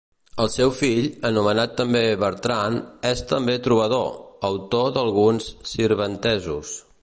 El seu fill, anomenat també Bertran, és també trobador, autor d'alguns sirventesos.